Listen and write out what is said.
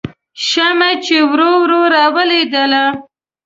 شمعه چې ورو ورو راویلېدله